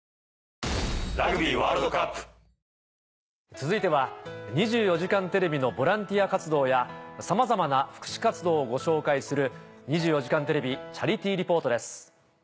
続いては『２４時間テレビ』のボランティア活動やさまざまな福祉活動をご紹介する。